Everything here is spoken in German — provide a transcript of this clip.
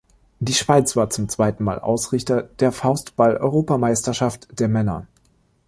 Die Schweiz war zum zweiten Mal Ausrichter der Faustball-Europameisterschaft der Männer.